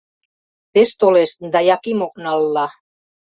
Пеш толеш, да Яким ок нал-ла.